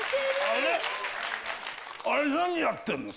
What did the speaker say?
あれ何やってるの？